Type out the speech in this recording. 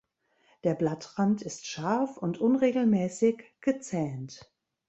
Der Blattrand ist scharf und unregelmäßig gezähnt.